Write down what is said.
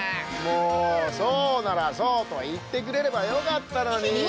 もうそうならそうといってくれればよかったのに！